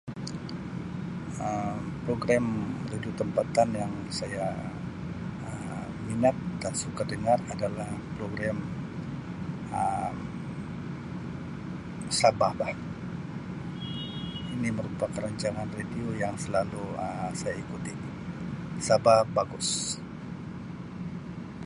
Um Program radio tempatan yang saya Um minat dan suka dengar adalah program Um Sabah Bah ini merupakan rancangan radio yang selalu Um saya ikuti Sabah bagus.